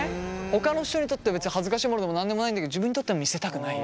ほかの人にとって別に恥ずかしいモノでも何でもないんだけど自分にとっては見せたくない。